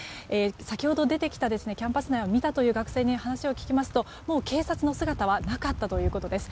先ほど出てきたキャンパス内を見たという学生に話を聞きますともう警察の姿はなかったということです。